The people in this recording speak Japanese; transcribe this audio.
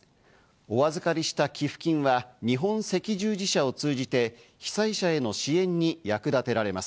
お預かりした寄付金は日本赤十字社を通じて被災者への支援に役立てられます。